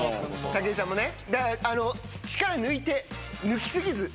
武井さんもね。